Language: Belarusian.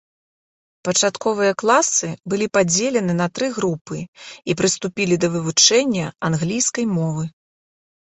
Пачатковыя класы былі падзелены на тры групы і прыступілі да вывучэння англійскай мовы.